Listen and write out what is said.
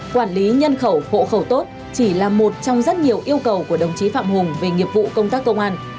quản lý nhân khẩu hộ khẩu tốt chỉ là một trong rất nhiều yêu cầu của đồng chí phạm hùng về nghiệp vụ công tác công an